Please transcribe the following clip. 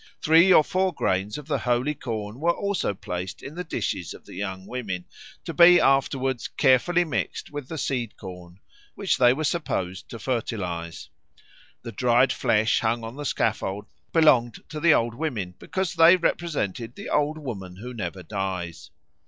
Three or four grains of the holy corn were also placed in the dishes of the young women, to be afterwards carefully mixed with the seed corn, which they were supposed to fertilise. The dried flesh hung on the scaffold belonged to the old women, because they represented the Old Woman who Never Dies.